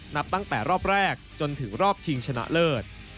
นับตั้งแต่รอบแรกจนถึงรอบชิงชนะเลิศ